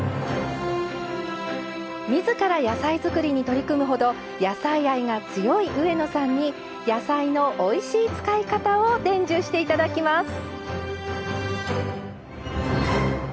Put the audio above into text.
みずから野菜作りに取り組むほど野菜愛が強い上野さんに野菜のおいしい使い方を伝授して頂きます。